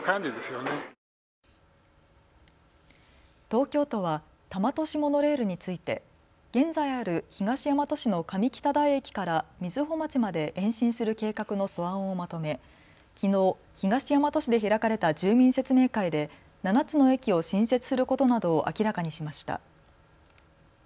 東京都は多摩都市モノレールについて現在ある東大和市の上北台駅から瑞穂町まで延伸する計画の素案をまとめきのう東大和市で開かれた住民説明会で７つの駅を新設することなどを明らかにしました。